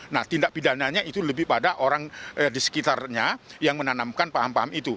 nah tindak pidananya itu lebih pada orang di sekitarnya yang menanamkan paham paham itu